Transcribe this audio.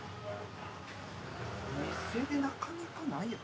店でなかなかないやろ。